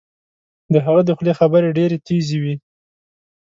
د هغه د خولې خبرې ډیرې تېزې وې